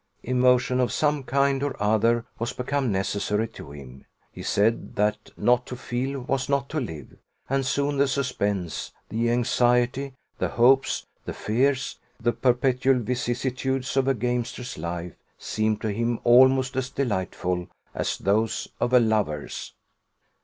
Emotion of some kind or other was become necessary to him; he said that not to feel was not to live; and soon the suspense, the anxiety, the hopes, the fears, the perpetual vicissitudes of a gamester's life, seemed to him almost as delightful as those of a lover's.